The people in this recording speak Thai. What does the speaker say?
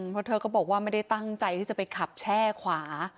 เพราะเธอก็บอกว่าไม่ได้ตั้งใจที่จะไปขับแช่ขวา